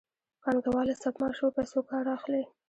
پانګوال له سپما شویو پیسو کار اخلي